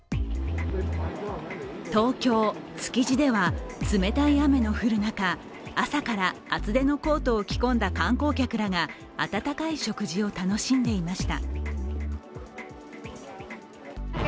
東京・築地では冷たい雨の降る中朝から厚手のコートを着込んだ観光客らが温かい食事を楽しんでいました。